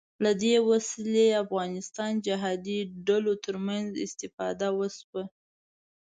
له دې وسلې افغانستان جهادي ډلو تر منځ استفاده وشوه